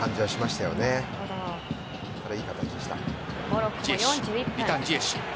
ただ、いい形でした。